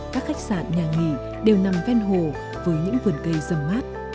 các khách sạn nhà nghỉ đều nằm ven hồ với những vườn cây rầm mát